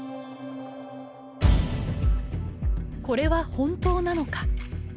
これは本当なのか？